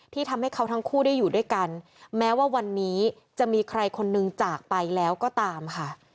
ทำให้เขาทั้งคู่ได้อยู่ด้วยกันแม้ว่าวันนี้จะมีใครคนนึงจากไปแล้วก็ตามค่ะ